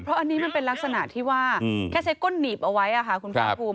อันนี้มันเป็นลักษณะที่ว่าแค่ใช้ก้นหนีบเอาไว้ค่ะคุณภาคภูมิ